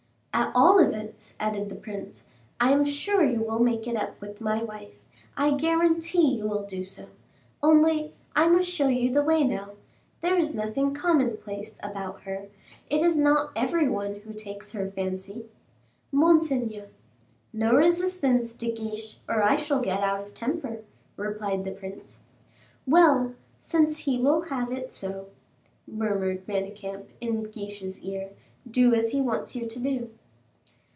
"At all events," added the prince, "I am sure you will make it up with my wife: I guarantee you will do so. Only, I must show you the way now. There is nothing commonplace about her: it is not every one who takes her fancy." "Monseigneur " "No resistance, De Guiche, or I shall get out of temper," replied the prince. "Well, since he will have it so," murmured Manicamp, in Guiche's ear, "do as he wants you to do."